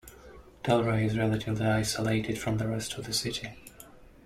Delray is relatively isolated from the rest of the city.